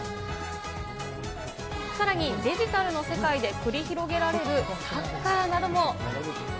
さらに、デジタルの世界で繰り広げられるサッカーなども。